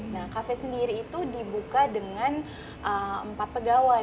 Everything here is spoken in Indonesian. nah kafe sendiri itu dibuka dengan empat pegawai